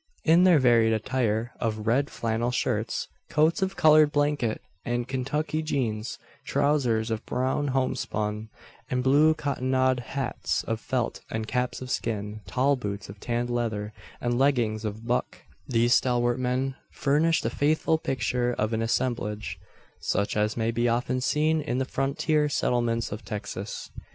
In their varied attire of red flannel shirts, coats of coloured blanket, and "Kentucky jeans," trowsers of brown "homespun," and blue "cottonade," hats of felt and caps of skin, tall boots of tanned leather, and leggings of buck these stalwart men furnished a faithful picture of an assemblage, such as may be often seen in the frontier settlements of Texas.